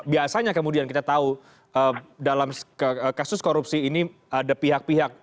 biasanya kemudian kita tahu dalam kasus korupsi ini ada pihak pihak